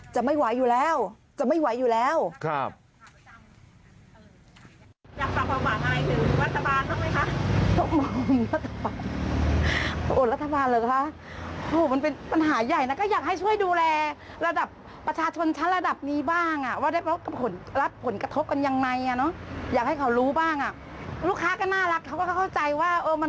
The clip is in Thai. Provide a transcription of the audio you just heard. จะไม่ไหวอยู่แล้วจะไม่ไหวอยู่แล้ว